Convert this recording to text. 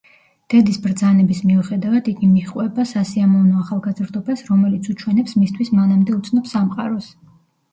დედის ბრძანების მიუხედავად, იგი მიჰყვება სასიამოვნო ახალგაზრდას, რომელიც უჩვენებს მისთვის მანამდე უცნობ სამყაროს.